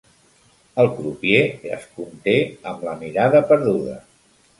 El crupier es conté amb la mirada perduda.